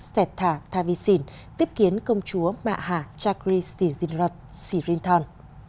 sẹt thả tha vy sìn tiếp kiến công chúa mạ hạ chakri sirinroth sirinthon